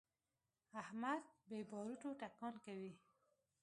احمد بې باروتو ټکان کوي.